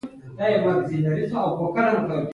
سپي ښه اورېدونکي دي.